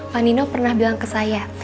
pak nino pernah bilang ke saya